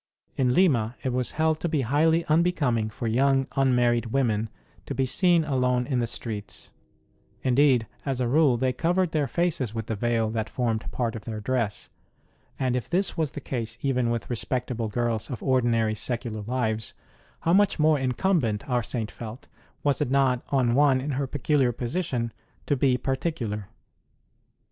In Lima it was held to be highly unbecoming for young unmarried women to be seen alone in the streets indeed, as a rule, they covered their faces with the veil that formed part of their dress ; and if this was the case even with respectable girls of ordinary secular lives, how much more incumbent, our Saint felt, was it not on one in her peculiar position to be particular